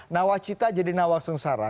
nawak cita jadi nawak sengsara